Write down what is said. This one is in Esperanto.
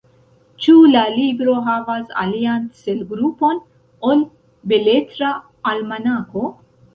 Ĉu la libro havas alian celgrupon ol Beletra Almanako?